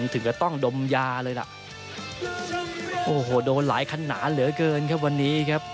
ถึงก็ต้องดมยาเลยล่ะโอ้โหโดนหลายขนาดเหลือเกินครับวันนี้ครับ